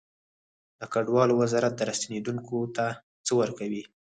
د کډوالو وزارت راستنیدونکو ته څه ورکوي؟